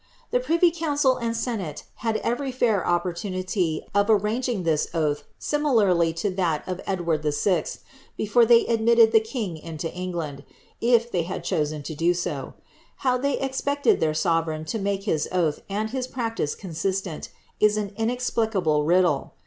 Tlie privy council and senate had everv fa.: opportunity of arranging tliis oath similarly to that of Edward VI.. before they admitted the king into England, if they had chosen fo to iii>. How they expected their sovereign to make liis oath and his pianii'c consistent, is an inexplicable riddle.